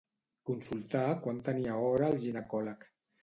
Consultar quan tenia hora al ginecòleg.